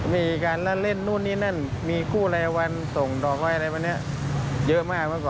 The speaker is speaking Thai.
มีการเล่าเล่นนู่นนี่นั่นมีกู้รายวันส่งดอกไว้อะไรเมื่อก่อนเยอะมาก